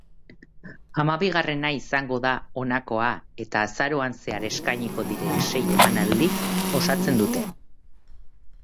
Hamabigarrena izango da honakoa eta azaroan zehar eskainiko diren sei emanaldik osatzen dute.